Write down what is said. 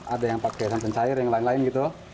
ada yang pakai santan cair yang lain lain gitu